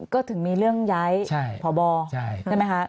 ก็ถึงมีเรื่องย้ายพบใช่ไหมคะ